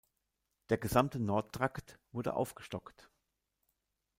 Der gesamte Nordtrakt wurde aufgestockt.